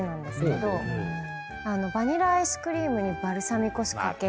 バニラアイスクリームにバルサミコ酢掛け。